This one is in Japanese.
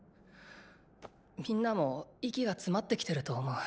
みんなも息が詰まってきてると思う。